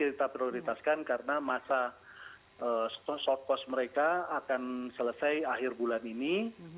ini kita prioritaskan karena masa kursus singkat mereka akan selesai akhir bulan ini